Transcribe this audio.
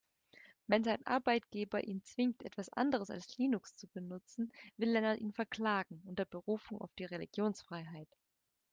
Wenn sein Arbeitgeber ihn zwingt, etwas anderes als Linux zu benutzen, will Lennart ihn verklagen, unter Berufung auf die Religionsfreiheit.